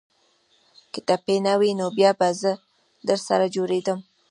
که ټپي نه واى نو بيا به زه درسره جوړېدم.